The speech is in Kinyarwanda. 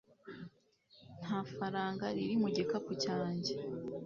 nta faranga riri mu gikapu cyanjye